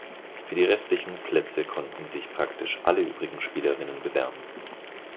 Für die restlichen Plätze konnten sich praktisch alle übrigen Spielerinnen bewerben.